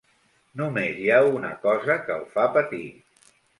Només hi ha una cosa que el fa patir.